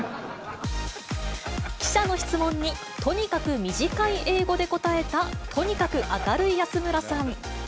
記者の質問に、とにかく短い英語で答えた、とにかく明るい安村さん。